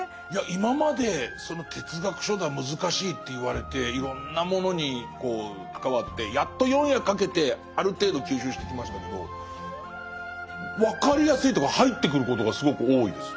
今まで哲学書だ難しいって言われていろんなものに関わってやっと４夜かけてある程度吸収してきましたけど分かりやすいというか入ってくることがすごく多いです。